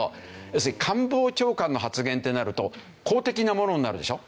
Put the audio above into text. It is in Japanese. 要するに官房長官の発言ってなると公的なものになるでしょ？